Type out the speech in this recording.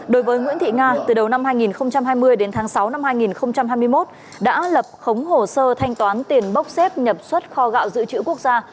đối với nguyễn thị nga từ đầu năm hai nghìn hai mươi đến tháng sáu năm hai nghìn hai mươi một đã lập khống hồ sơ thanh toán tiền bốc xếp nhập xuất kho gạo dự trữ quốc gia